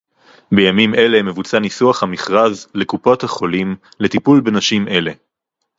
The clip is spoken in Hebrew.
בימים אלה מבוצע ניסוח המכרז לקופות-החולים לטיפול בנשים אלה